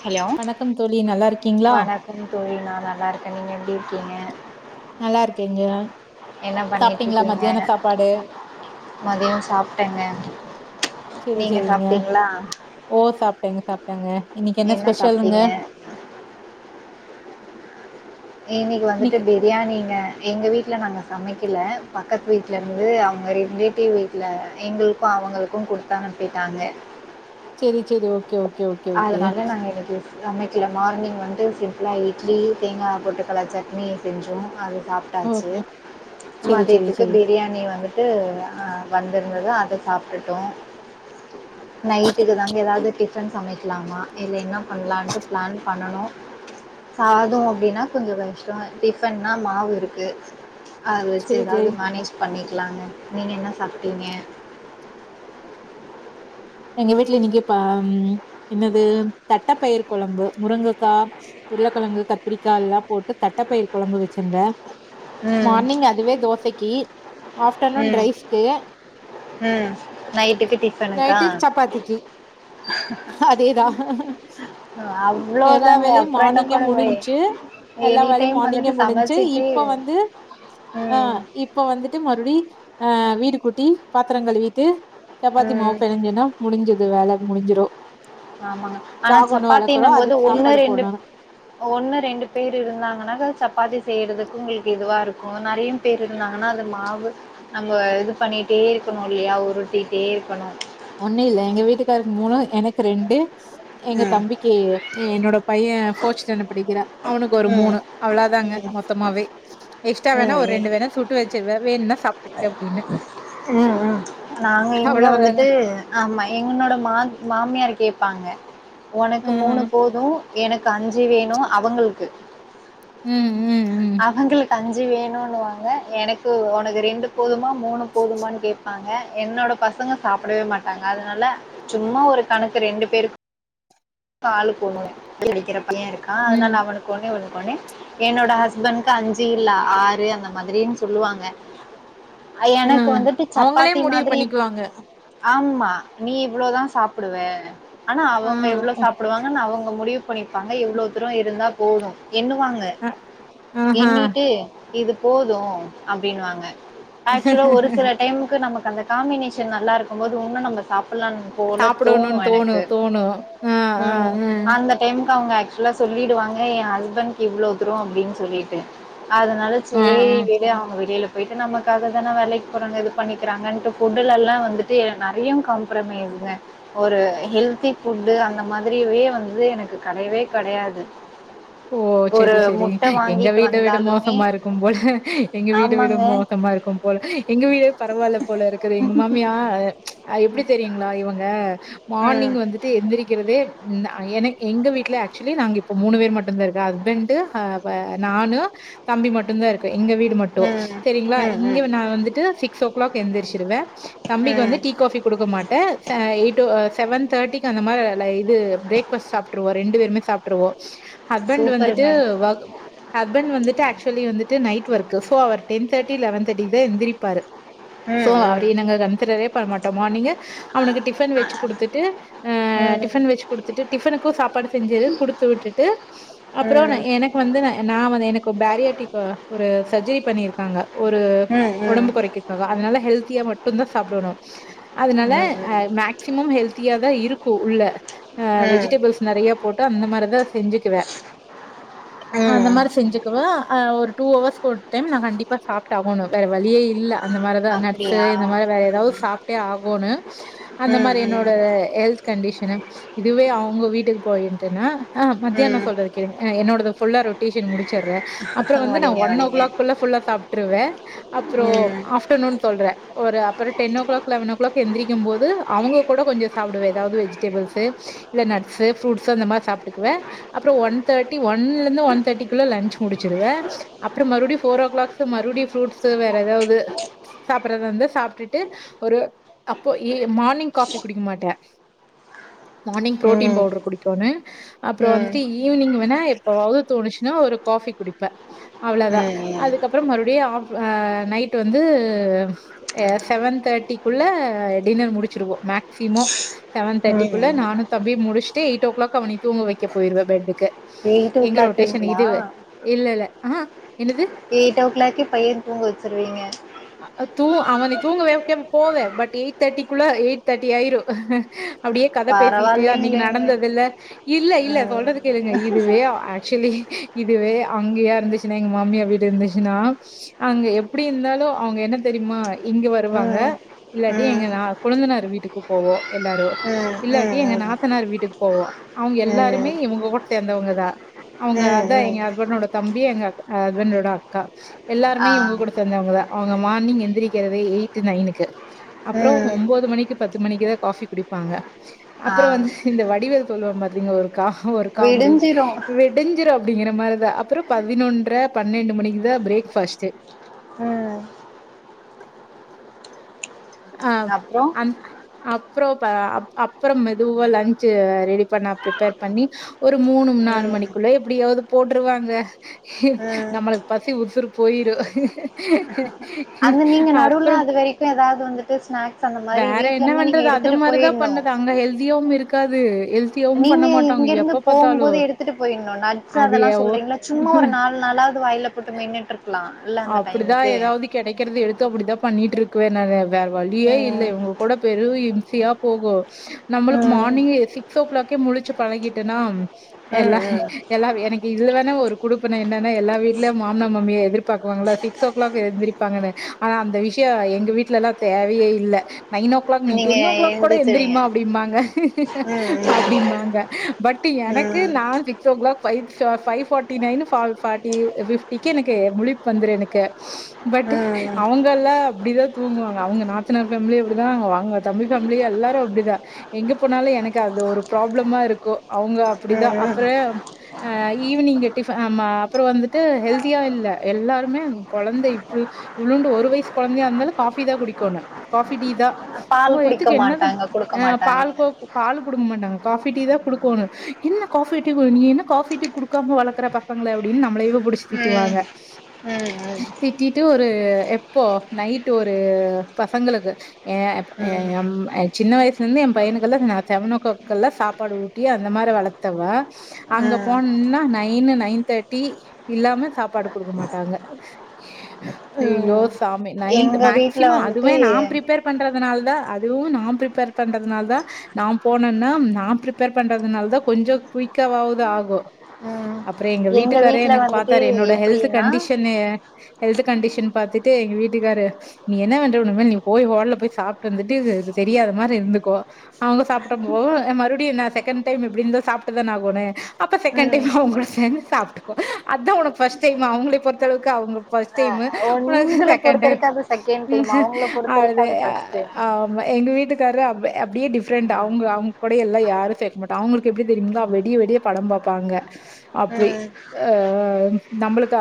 Hello வணக்கம் தோழி நல்லா இருக்கீங்ளா வணக்கம் தோழி நா நல்லா இருக்கே நீங்க எப்டி இருக்கீங்க நல்லா இருக்கேங்க என்ன சாப்ட்டீங்ளா மத்தியான சாப்பாடு மதியம் சாப்ட்டேங்க செரி நீங்க செரிங்க சாப்ட்டீங்ளா ஓ சாப்ட்டங்க சாப்ட்டங்க இன்னைக்கு என்ன ஸ்பெஷல் அங்க இன்னைக்கு வந்துட்டு பி ரியாணிங்க எங்க வீட்ல நாங்க சமைக்கல பக்கத்து வீட்ல இருந்து அவங்க ரிலேட்டிவ் வீட்ல எங்களுக்கும் அவங்களுக்கும் குடுத்தனுப்பிட்டாங்க சேரி சேரி ஓக்கே ஓக்கே ஓக் அதனால நாங்க இன்னைக்கு சமைக்கல மார்னிங் வந்து சிம்ப்ளா இட்லி தேங்கா பொட்டுக்கல்ல சட்னி செஞ்சோ அது சாப் டாச்சு ஓகே செரி செரி மதியத்துக்கு செரி பிரியாணி வந்து ட்டு அ வந்திருந்தது அத சாப்ட்டுட்டோ நைட்டுக்கு தாங்க ஏதாவது டிப் பண்ணிக்கலாமா இல்ல என்ன பண்ணலான்ட்டு பிளான் பண்ணணு சாதம் அப்படின்னா கொஞ்சோ கஷ்டம் டிஃபன்னா மாவு இருக்கு அதை வச்சு செரி ஏதாவது செரி மேனேஜ் பண்ணிக்கலாங்க நீங்க என்ன சாப்ட்டீங்க எங்க வீட்ல இன்னைக்கு ப என்னது தட்டப்பயிர் கொழம்பு முருங்கக்கா உருளைக்கிழங்கு கத்திரிக்கா எல்லா போட்டு தட்டப்பயிர் கொழம்பு வச்சிருந்தே ம் மார்னிங் அதுவே தோசைக்கு ஆப்டர்நோன் ரைஸ்கு உம் நைட்டுக்கு டிஃப் நைட்டு சப்பாத்திக்கு அதே தா எல்லா அவ்ளோதாங்க. வேலையு அப்புறம் என்ன மார்னிங்கே பண்ண முடியும்? முடிஞ்ச்சு எல்லா எனி வேலையு டைம் வந்துட்டு மார்னிங்கே முடிஞ்ச்சு சமைச்சிட்டு இப்ப வந்து அ ம், இப்ப வந்துட்டு மறுபடி அ வீடு கூட்டி பாத்திரம் கழுவிட்டு சப்பாத்தி மாவு ம். பெனஞ்சன்னா முடிஞ்சுது வேலை முடிஞ்சிரும் ஆமாங்க ஆனா சப்பாத்தி இன்னும் போது ஒண்ணு சாப்பாடு ரெண்டு போடணு ஒண்ணு ரெண்டு பேர் இருந்தாங்கன்னாக்கா சப்பாத்தி செய்யறதுக்கு உங்களுக்கு இதுவா இருக்கும் நறைய பேர் இருந்தாங்கன்னா அது மாவு நம்ம இது பண்ணிட்டே இருக்கணு இல்லையா உருட்டிட்டே இருக்கணு ஒண்ணும் இல்ல எங்க வீட்டுக்காருக்கு மூணு எனக்கு ரெண்டு எங்க ம். தம்பிக் கு என்னோட பையன் ஃபோர்த் ஸ்டேண்டர்ட் படிக்கிறா அவனுக்கு ஒரு ம். மூணு அவ்ளா ம். தாங்க மொத்தமாவே எக்ஸ்ட்ரா வேணா ஒரு ரெண்டு வேணா சுட் டு வச்சிருவே வேண்னா சாப் உம் உம் நாங்க இங்க அவ்ளோதாங்க வந்துட்டு ஆமா எங்கன்னோட மா மாமியார் கேப்பாங்க ஒனக்கு ம் மூணு போது எனக்கு அஞ்சி வேணு அவுங்களுக்கு ம் ம் ம் அவங்களுக்கு அஞ்சி வேணுனுவாங்க எனக்கு ஒனக்கு ரெண்டு போதுமா மூணு போதுமானு கேப் பாங்க என்னோட பசங்க சாப்டவே மாட்டாங்க அதுனால சும்மா ஒரு கணக்கு ரெண்டு பேருக்கு ஆளுக்கு ஒன்னொன்னு படிக்கிற பைய இருக்கா ம் அதுனால அவனுக்கு ஒன்னே ஒன்னு பண்ணி என்னோட ஹஸ்பண்ட்கு அஞ்சி இல்ல ஆறு அந்த மாதிரினு சொல்லுவாங்க அ ஆ எனக்கு வந்துட்டு அவங்களே சப்பாத்தி முடிவு மாதிரி பண்ணிக்குவாங்க ஆமா நீ இவ்ளதா சாப்டுவ ஆனா ஆ அவுங்க எவ்ளோ படுவாங்கனு அவுங்க முடிவு பண்ணிருப்பாங்க இவ்ளோ தூரம் இருந்தா போது எண்ணுவாங்க ஆ, ஆஹா எண்ணிட்டு இது போது அப்டினுவாங்க ஆக்சுவலா ஒரு சில டைமுக்கு நமக்கு அந்த காம்பினேஷன் நல்லா இருக்கும்போது உன்னு நம்ம சாப்புலானு போல தோணு சாப்பிடணும்னு எனக்கு தோணு. ஆ, ஆ, ம். அந்த டைமுக்கு அவுங்க ஆக்சுவலா சொல்லிடுவாங்க என் ஹஸ்பண்ட்கு இவ்ளோ தூரோ அப்டினு சொல்லிட்டு அதுனால அ, அ, சேரி அ. விடு அவுங்க வெளியில போயிட்டு நமக்காக தான வேலைக்கு போறாங்க இது பண்ணிக்கிறாங்கன்ட்டு ஃபுட்டு்லலா வந்துட்டு நெறைய காம்ப்ரமைஸ்ங்க ஒரு ஹெல்தி ஃபுட்டு அந்த மாதிரியவே வந்து எனக்கு கெடையவே கெடையாது ஓ ஒரு செரி செரி முட்ட எங்க வாங்கிட்டு வீட விட வந்தாலுமே மோசமா இருக்கும்போல எங்க வீட விட ஆமாங்க. மோ சமா இருக்கும்போல எங்க வீடே பரவால்ல போல இருக்குது எங்க மாமியா எப்டி தெரியுங்களா இவுங்க ம். மானிங் வந்துட்டு எந்திரக்கிறதே நா எனக் எங்க வீட்டுல ஆக்சுவலி நாங்க இப்ப மூணு பேரு மட் தந்ருக்கா ஹஸ்பண்டு ஆ ப நானு தம்பி மட்டுந்தா இருக் எங்க வீடு மட்டு ம். செரிங்களா ம். ம். இங்க நா வந்துட்டு சிக்ஸ் ஓ கிளாக் எந்திரிச்சிருவ தம்பிக்கு ம். வந்து டீ காஃபி குடுக்க மாட்ட செ எய்டோ செவன் தேர்டிக்கு அந்த மாரி ல இது பரேக்பாஸ்ட் சாப்டுருவோ ரெண்டு பேருமே சாப்டுருவோ ஹஸ்பண்டு வந்துட்டு சூப்பருங்க. வகு ஹஸ்பண்டு வந்துட்டு ஆக்சுவலி வந்துட்டு நைட் ஒர்க்கு சோ அவரு டென் தேர்டி லெவன் தேர்டிதா எந்திரிப்பாரு சோ ம். ம். அவரயே நாங்க கன்சிடரே பண்ண மாட்டோ மார்னிங்கே அவனுக்கு டிஃபன் வச்சி குடுத்துட்டு அ ம். டிஃபன் வச்சி குடுத்துட்டு டிஃபனுக்கு சாப்பாடு செஞ்சிரு குடுத்து விட்டுட்டு ம். அப்றோ நா ம். எனக்கு வந்து நா வந் நா எனக்கு பேரியாடிக் ஒரு சர்ஜரி பண்ணியிருக்காங்க ஒரு ம். ஒடம்பு கொறைக்கிரதுக்காக அது நல்ல ஹெல்தியா மட்டுந்தா சாப்டணு அதுனால ம். ம். ஆ மேக்சிமம் ஹெல்த்தியாதா இருக்கு உள்ள ஆ ம் வெஜிடபிள்ஸ் நெறையா போட்டு அந்த மாரிதா செஞ்சிக்குவ அந்த ம். மாரி செஞ்சிக்குவே ஆ ஒரு டூ ஹவர்ஸ்கு ஒரு டைம் நா கண்டிப்பா சாப்டாகணு வேற வழியே இ இல்ல அந்த மாரிதா நட்ஸு அப்டியா? இந்த மாதிரி வேற ஏதாவது சாப்ட்டே ஆகோனு அந்த ம், மாரி என்னோட ம், ஹெல்த் கண்டிஷனு இதுவே அவுங்க வீட்டுக்கு போயிட்டுன்னா ஆ மத்தியானோ ம். ங்க ஆ என்னோடது ஃபுல்லா ரொட்டேஷன் முடிச்சற அப்றோ வந்து நா ஓடிங்க, ஒன் ஓ ஓடிங்க. கிளாக்குள்ள ஃபுல்லா சாப்ட்டுருவ அப்ரோ ம், ஆஃப் டுனு சொல்ற ஒரு அப்றோ ten o'clock eleven o'clock எந்திரிக்கும் போது அவுங்க கூட கொஞ்சோ சாப்டுவே ஏதாது வெஜ் டெபிள்ஸு இல்ல நட்ஸு ஃப்ரூட்ஸு அந்த மாரி சாப்ட்டுக்குவ அப்றோ ஒன் தேட்டி ஒன்லந்து ஒன் தேட்டிகுள்ள லன்ச் முடிச்சிடுவே அப்றோ மறுபடியு ஃபோர் ஓ கிளாக்ஸ் மறுபடியு ஃரூட்ஸு வேற ஏதாது சாப்பறதந்தா சாப்ட்டுட்டு ஒரு அப்போ ஏ மார்னிங் காஃபி குடிக்க மாட்டே மார்னிங் ப்ரோட்டீன் ம், ம், பவுடரு குடிக்கோனு அப்றோ வந்து ம், ஈவினிங் வேணா எப்பவாது தோணுச்சின்னா ஒரு காஃபி குடிப்ப அவ்ளோதா ம். அதுக்கப்பறோ மறுபடியு ஆஃப் நைட் வந்து அ செவன் தேர்ட்டிக்குள்ள டின்னர் முடிச்சிருவோ மேக்சிமம் செவன் தேர்ட்டிக்குள்ள ம். நானு தம்பியு முடிச்சுட்டு எயிட் ஓ கிளாக் அவன தூங்க வைக்க போயிடுவே பெட்டுக்கு எங்க ரொட்டேஷன் கிளாக்குங்களா? இது இல்ல இல்ல அ என்னது எயிட் ஓ கிளாக்கே பையன் தூங்க வச்சுருவீங்க அ தூ அவன தூங்க வைக்க போவே பட் எயிட் தேர்ட்டிக்குள்ள எயிட் தேர்ட்டி ஆயிரு அப்டியே கத பேசிட்டு அன்னைக்கு பரவாயில்லைங்களேங்க. நடந்தது இல்ல இல்ல இல்ல ம், சொல்றத கேளுங்க இதுவே ஆக்சுவலி இதுவே அங்கயா இருந்துச்சுன்னா எங்க மாமியார் வீடு இருந்துச்சுன்னா அங்க எப்டி இருந்தாலு அவங்க என்ன தெரியுமா இங்க வருவாங்க, ம், ம், இல்லாட்டி எங்க ம், நா கொழுந்தனார் வீட்டுக்கு போவோ எல்லாரு ம், இல்லாட்டி எங்க ம், நாத்தனார் வீட்டுக்கு போவோ, அவங்க ம், எல்லாருமே ம். இவங்க கூட சேந்தவங்கதா அவங்க அதா எங்க ம் ஹஸ்பண்டோட தம்பி எங்க அ ஹஸ்பண்டோட அக்கா எல்லாருமே ஆ. இங்க கூட சேந்தவங்கதா அவங்க மார்னிங் எந்திரிக்கிறதே எயிட் நையனுக்கு அப்பறோ ம். ஒம்போது மணிக்கு பத்து மணிக்குதா காஃபி குடிப்பாங்க, ஆ. அப்றோ வந்து இந்த வடிவேல் சொல்வான் பாத்தீங்க ஒரு கா ஒரு காமெடி விடிஞ்சிரும். வெட் விடிஞ்சிரு அப்டிங்கிற மாரிதா அப்பறோ பதினொன்டற பன்னெண்டு மணிக்குதா பிரேக்பாஸ்ட் அ அ அப்புறம்? அந் அப்றோ ப அப்பறோ மெதுவா லன்சு ரெடி பண்ணா பிரிப்பேர் பண்ணி ஒரு மூணு நாலு ம். மணிக்குள்ள எப்படியாவது போட்டுருவாங்க ம் நம்மளுக்கு பசி உசுரு போயிரு அந்த நீங்க நடுவுல அது வரைக்கும் ஏதாவது வந்துட்டு ஸ்நாக் வேற என்ன பண்றது அது மாரிதா பண்ணது அங்க ஹெல்தியாவு இருக்காது ஹெல்தி நீங்க இங்கிருந்து போகும்போது எடுத்துட்டு போயிணு நட்ஸ் அதெல்லா அது சொல்றீங்கல்ல சும்மா ஒரு நாலு நாலாவது வாயில போட்டு மென்னுட்டு இருக்கலாம் இல்ல அந்த அப்படிதா டைமுக்கு ஏதாவது கெடைக்கறது எடுத்து அப்படிதா பண்ணிட்டு இருக்குவே நா வேற வழியே இல்ல ம் இவங்க கூட பெரும் இம்சியா போகும் நம்மளுக்கு ம் மார்னிங் சி க்ஸ் ஓ கிளாக்கே முழிச்சு பழகிட்டேனா எல்லா ம் ம் எல்லா எனக்கு இதுல வேணா ஒரு குடுப்பன என்னன்னா எல்லா வீட்லயும் மாமன்னர் மாமியா எதிர்பாக்கு வாங்களா சிக்ஸ் ஓ கிளாக் எந்திரிப்பாங்கனு ஆனா அந்த விஷய யம் எங்க வீட்ல எல்லா தேவையே இல்ல நைன் ஓ கிளாக் நீ நீங்க டென் ஓ கிளாக் கூட எந்திரிச்சிருவீங்க எந்திரியுமா அப்டிம்பாங்க ம் அப்டிம்பாங்க பட் எனக்கு ம் நா six o'clock five five forty nine five forty ஃபிப்டிக்கு‌ எனக்கு முழிப் வந்துரு எனக்கு, பட் ம் ம் அவங்க கல்லா அப்படிதா தூங்குவாங்க அவங்க நாத்தனார் ஃபேமிலி அப்படிதா அவங்க தம்பி ஃபேமிலி எல்லாரு அப்படிதா எங்க போனாலு எனக்கு அது ஒரு ப்ராப்ளமா இருக்கு அவங்க அப்படிதா ம் ம் அப்பறோ அ ஈவினிங் டிஃப ஆமா அப்பறோ வந்துட்டு ஹெல்தியா இல்ல எல்லாருமே அங்க கொழந்தை இப்டி இவ்வுளோண்டு ஒரு வயசு கொழந்தையா இருந்தாலு காஃபிதா குடிக்கோனு காஃபி டீ தா ஓ பால் குடிக்க வயித்துக்கு என்னது மாட்டாங்க குடுக்க அ மாட்டாங்க பால் கு பால் குடுக்க மாட்டாங்க, காஃபி டீ தா குடுக்கோனு என்ன காஃபி டீ நீ என்ன காஃபி டீ குடுக் காம வளக்கற பசங்கள அப்டின்னு நம்மளையே புடிச் ம், ம், ம் திட்டிட்டு ஒரு எப்போ நைட்டு ஒரு பசங்களுக்கு ஏ ஏ ம் ‌எம்‌ கச் சின்ன வயசுல இந்தே எம் பையனுக்கெல்லா‌ நா செவனோ கிளாக்கெல்லா சாப்பாடு ஊட்டி அந்த மாரி வளத்தவ அங்க ம் ம் போனன்னா நைனு நைன் தேட்டி இல்லாம சாப்பாடு குடுக்க மாட்டாங்க ம் யோஸ் தாமே நைன் து எங்க வீட்ல மேக்சிமம் வந்துட்டு அதுவே நா பிரிப்பேர் பண்றதுனால் தா அதுவு நா பிரிப்பேர் பண்றதுனால்தா நா போனன்னா நா பிரிப்பேர் பண்றதுனால தா கொஞ்சோ குயிக்காவது ஆகு ம் அப்றோ எங்க வீட்டுக்காரே வீட்ல எனக்கு வந்துட்டு பாத்தாரு என்னோட ஹெல்து எப்டின்னா னு ஹெல்த் கன்டிஷன் பாத்துட்டு எங்க வீட்டுக்காரு நீ என்ன பண்ற உணமேல் நீ போய் ஹோட்ல போய் சாப்ட்டு வந்துட்டு இது தெரியாத மாரி இருந்துக்கோ அவுங்க சாப்டப்போ மறுடியு நா செகண்ட் டைம் எப்டி இந்தா சாப்ட்டுதான ஆகனோ அப்ப செகண்ட் ம் டைம் அவுங்க கூட சேந்து சாப்ட்டுக்கோ அதா உனக்கு பஃர்ஸ்ட் டைம் அவுங்கள பொறுத்த அளவுக்கு அவுங்க ஃபர்ஸ்ட் அ டைம்மு உனக்கு உங்கள செகண்ட் பொறுத்த டைம் வரைக்கு அது செகண்ட் டைம் அவங்கள பொறுத்த வரைக்கு அளேதே அது ஃபர்ஸ்ட் டைம் ஆ எங்க வீட்டுக்காரு அ அப்டியே டிஃப்ரெண்ட் அவுங்க அவுங்க கூட எல்லா யாரு சேக்க மாட்டங்க அவுங்களுக்கு எப்டி தெரியுங்ளா வெடிய வெடிய படம் பாப்பாங்க அப்டி ம் ஆ ஆ நம்மளுக்கு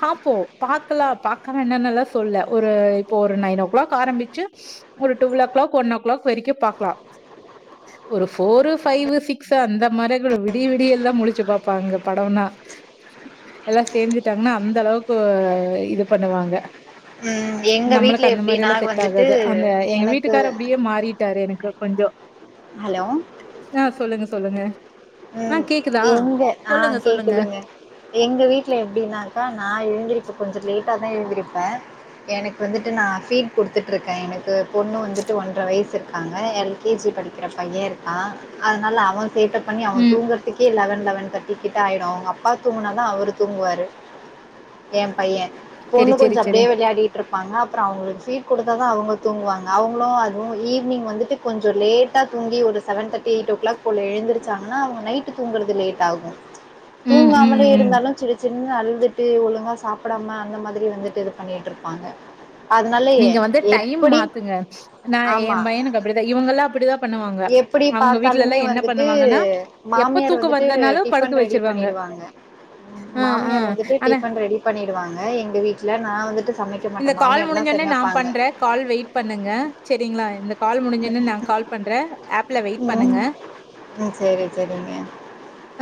ஹாப்போ பாக்கலா பாக்க வேணானன்னுலா சொல்ல ஒரு இப்போ ஒரு நைன் ஓ கிளாக் ஆரம்பிச்சு ஒரு twelve o'clock one o'clock வரைக்கும் பாக்கலா [inaudible] ஒரு ஃபோரு ஃபைவு சிக்ஸ்சு அந்த மாரி கூட விடிய விடியல்லா முழிச்சு பாப்பாங்க படம்னா [inaudible] எல்லா சேந்துட்டாங்ன்னா அந்த அளவுக்கு இது பண்ணுவாங்க ம் எங்க வீட்ல நம்மளுக்கு அந்த எப்டின்னா மாரிலா செட் வந்துட்டு ஆகாது அந்த எங்க எனக்கு வீட்டுக்கார அப்டியே மாறிட் டாரு எனக்கு கொஞ்சோ ஹலோ ஆ சொல்லுங்க சொல்லுங்க ஆ ம் கேக்குதா? எங்க ஆ சொல்லுங்க, சொல்லுங்க. கேக்குதுங்க எங்க வீட்ல எப்டின்னாக்கா நா எழுந்திரிக்க கொஞ்ச லேட் டாதா எழுந்திருப்பே எனக்கு வந்துட்டு நா ஃபீட் குடுத்துட்டுருக்கேன் எனக்கு பொண்ணு வந்துட்டு ஒன்ற வயசு இருக்காங்க எல் கே ஜி படிக்கிற பைய இருக்கா அதனால அவ சேட்ட பண்ணி அவன் ம். தூங்கறதுக்கே லெவன் லெவன் தேர்ட்டி கிட்ட ஆயிடு அவுங்க அப்பா தூங்குனா தா அவரு தூங்குவாரு ஏம் பைய சரி, பொண்ணு சரி, கொஞ்சோ சரி. அப்டியே விளையாடி ட்ருப்பாங்க அப்றோ அவுங்களுக்கு ஃபீட் குடுத்தா தா அவுங்க தூங்குவாங்க அவுங்களும் அதுவு ஈவினிங் வந்துட்டு கொஞ்சோ லேட்டா தூங்கி ஒரு seven thirty eight o'clock போல எழுந்திரு ச்சாங்னா அவுங்க நைட்டு தூங்கறது லேட் ஆகு ம், ம், தூங்காமலே ம். இருந்தாலு சிடிச் சின் அழுதுட்டு ஒழுங்கா சாப்பிடாம அந்த மாதிரி வந்துட்டு இது பண்ணிட்டு இருப்பாங்க நீங்க வந்து டைம் மாத்துங்க நா ஏ ஆமா. பையனுக்கு அப்டிதா இவுங்கல்லா அப்டிதா பண்ணுவாங்க எப்டி அவங்க பாத்தாலுமே வீட்லலாம் என்ன வந்துட்டு பண்ணுவாங்கன்னா, எப்ப மாமியார் தூக்கம் வந்துட்டு வருதுனாலும் படுக்க டிஃபன் ரெடி வச்சுருவாங்க. பண்ணிடுவாங்க ஆ, ஆ. மாமியார் வந்துட்டு ஆனா, டிஃபன் ரெடி பண்ணிடுவாங்க எங்க வீட்ல நா வந்துட்டு சமைக்க இந்த மாட்டே கால் மாமியார் தா முடிஞ்சோனே நா சமைப்பாங்க பண்றே கால் வெயிட் பண்ணுங்க சரிங்ளா இந்த கால் முடிஞ்சோனே நா கால் பண்றே ஆப்ல வெயிட் ம் பண்ணுங்க ம் சரி சரிங்க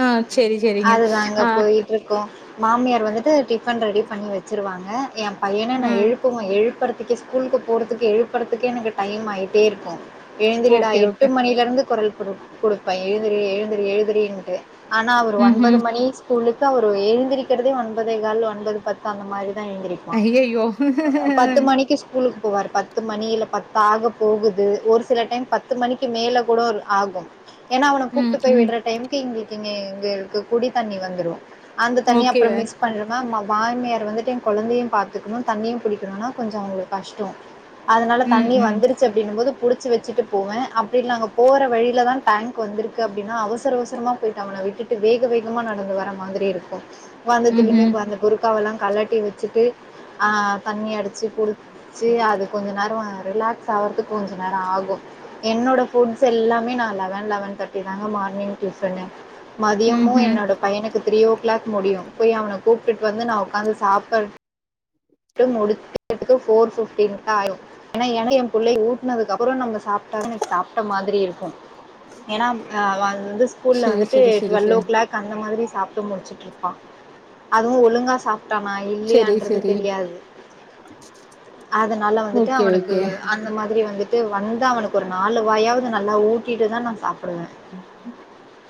ஆ சரி, சரிங்க. அதுதாங்க ஆ, போயி ட்ருக்கு மாமியார் வந்துட்டு டிஃபன் ரெடி பண்ணி வச்சிருவாங்க ஏ பையன நா ம். எழுப்புவே எழுப்பறதுக்கே ஸ்கூலுக்கு போறதுக்கு எழுப்பறதுக்கே எனக்கு டைம் ஆயிட்டே இருக்கு எழுந்திருடா ஓகே, ஓகே. எட்டு மணில இருந்து குரல் கொடு குடுப்பே எழுந்திரி எழுந்திரி எழுதுறினுட்டு ஆனா அவரு ம்ஹ்ம். ஒன்பது மணி கூலுக்கு அவர் ஏந்திரக்கிறதே ஒன்பதே கால் ஒன்பது பத்து அந்த மாரிதா ஏந்திர ப்பா அய்யய்யோ! பத்து மணிக்கு ஸ்கூலுக்கு போவார் பத்து மணி இல்ல பத்து ஆகப் போகுது ஒரு சில டைம் பத்து மணிக்கு மேல கூட ஆகு ஏன்னா அவனை ம், கூப்ட்டு போய் ம். விடுற டைமுக்கு இங்கங்க எங்களுக்கு குடி தண்ணி வந்துரு அந்த தண்ணிய ஓகே. அப்புறம் மிஸ் பண்றோமா மாமியார் வந்துட்டு என் குழந்தையு பாத்துக்கணு தண்ணியும் பாடிக்கணும்னா கொஞ்ச அவுங்களுக்கு கஷ்டோ அதனால ம், தண்ணி ம். வந்துருச்சு அப்டினு போது புடிச்சு வச்சுட்டு போவே அப்டி நாங்க போற வழியிலதா டேங்க் வந்துருக்கு அப்டினா அவசர அவசரமா போயிட்டு அவன விட்டுட்டு வேக வேகமா நடந்து வர மாதிரி இருக்கு உக்காந்தத்திலயுமே ம்ஹ்ம். அந்த புருக்காவலா கலட்டி வச்சுட்டு ஆ தண்ணி அடிச்சு குடி ச்சி அது கொஞ்ச நேர ரிலாக்ஸ் ஆவறதுக்கு கொஞ்ச நேர ஆகும் என்னோட ஃபுட்ஸ் எல்லாமே நா லெவன் லெவன் தேர்ட்டி தாங்க மார்னிங் டிஃபனு மதியமு ம்ஹ்ம். என்னோட பையனுக்கு த்ரீ ஓ கிளாக் முடியு போய் அவன கூப்ட்டுட்டு வந்து நா உக்காந்து சாப்பற ட்டு முடிக்கறதுக்கு ஃபோர் ஃபிஃப்டீன்ட்ட ஆயிரு ஆனா எனக்கு ஏ புள்ளைக் ஊட் னதுக்கப்பற நம்ப சாப்ட்டா தா எனக்கு சாப்ட்ட மாதிரி இருக்கும் ஏனா ஆ வந்து ஸ்கூல்ல சரி, வந்துட்டு சரி, சரி, டுவெல்வ் ஓ சரி. கிளாக் அந்த மாதிரி சாப்ட்டு முடிச்சுட்ருப்பா அதுவும் ஒழுங்கா சாப்ட்டானா சரி, இல்லையான்றது சரி. தெரியாது அதனால வந்துட்டு ஓகே, அவனுக்கு ஓகே. அந்த மா திரி வந்துட்டு வந்தா அவனுக்கு ஒரு நாலு வாயாவது நல்லா ஊட்டிட்டுதா நா சாப்டுவ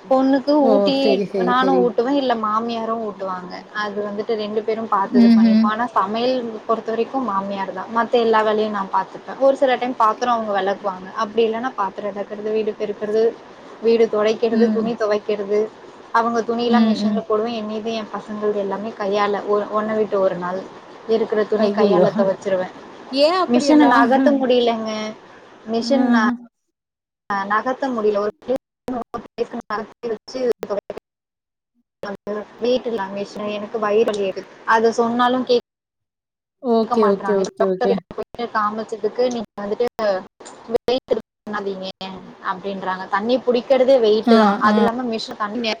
பொண்ணுக்கு ஓ! ஊட்டி சரி, சரி, நானு சரி. ஊட்டுவே இல்ல மாமியாரு ஊட்டுவாங்க அது வந்து ட்டு ரெண்டு பேரும் பாத்து இது பண்ணி ம்ஹ்ம். ஆனா சமையல் பொறுத்த வரைக்கு மாமியார் தா மத்த எல்லா வேலையு நா பாத்துப்ப ஒரு செல டைம் பாத்தர அவுங்க வெளக்குவாங்க அப்டி இல்லனா பாத்தர வெளக்குறது வீடு பெருக்கறது வீடு தொடைக்கிறது ம். துணி தொவக்கிறது அவுங்க துணியலா ம், ம். மிஷின்ல போடுவே என்னிதுஎன் பசங்ளோடது எல்லாமே கையாள ஒ ஒன்ன விட்டு ஒரு நாள் இருக்கிற துணி அய்யய்யோ! கையால தொவச்சிருவே ஏன் மிஷின அப்படியெல்லாம்? நகத்த முடிலங்க ம் ஆ நகர்த்த முடில ஒரு ப்ளேஸ் லருந்து இன்னொரு ப்ளேஸ்க்கு நகர்த்தி வச்சு [unintelligible] வீட்ல அமைச்ச எனக்கு வழியே தெரியாது அத சொன்னாலும் கேக் இருக்க ஓகே, ஓகே, மாட்றாங்க ஓகே, ஓகே. இதுக்கப் [unintelligible] காமிச்சதுக்கு நீங்க வந்துட்டு வீட்ல [inaudible] பண்ணாதீங்க அப்டின்றாங்க தண்ணி புடிக்கறதே வெயிட்டு தா ஆ. அதுல்லாம மிஷின தண்ணி